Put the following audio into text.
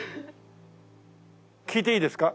聞いていいですか？